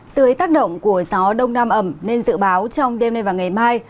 dưới tác động của gió đông nam ẩm nên dự báo trong đêm nay và ngày mai